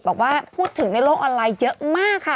บอกว่าพูดถึงในโลกออนไลน์เยอะมากค่ะ